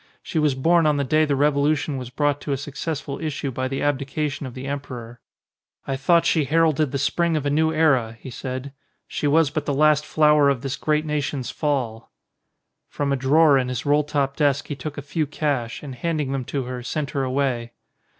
She was born on the day the revolu tion was brought to a successful issue by the abdi cation of the emperor. "I thought she heralded the Spring of a new era," he said. "She was but the last flower of this great nation*s Fall." From a drawer in his roll top desk he took a few cash, and handing them to her, sent her away.